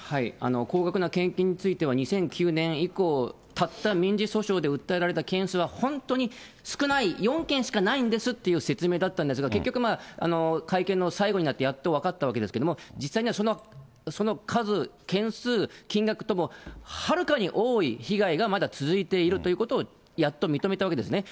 高額な献金については、２００９年以降、たった民事訴訟で訴えられた件数は本当に少ない４件しかないんですっていう説明だったんですが、結局、会見の最後になってやっと分かったわけですけれども、実際にはその数、件数、金額ともはるかに多い被害がまだ続いているということを、やっと認めたわけですね。